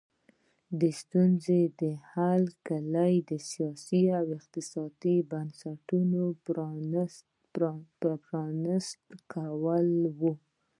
د ستونزې د حل کیلي د سیاسي او اقتصادي بنسټونو پرانیست کول وو.